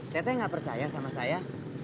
teteh nggak percaya sama saya